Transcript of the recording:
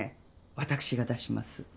私が出します。